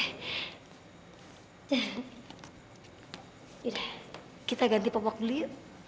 yaudah kita ganti popok dulu yuk